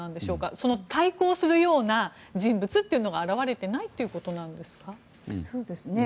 その対抗するような人物というのが現れていないということですか。